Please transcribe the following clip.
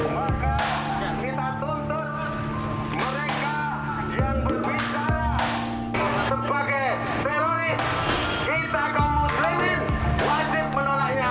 mereka yang berbicara sebagai teroris kita akan menolaknya